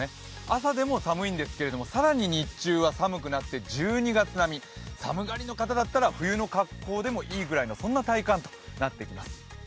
朝でも寒いんですけども、更に日中は寒くなって１２月並み、寒がりの方だったら冬の格好でもいい、そんな体感となっています。